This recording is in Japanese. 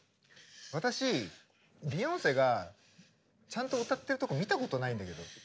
私ビヨンセがちゃんと歌ってるところ見たことないんだけど。